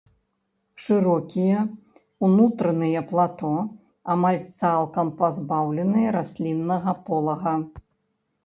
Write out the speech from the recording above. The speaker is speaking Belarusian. Шырокія ўнутраныя плато амаль цалкам пазбаўленыя расліннага полага.